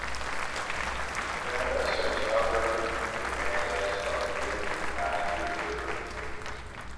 The tram has since covered in excess of in passenger service.